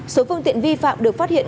số phương tiện vi phạm được phát hiện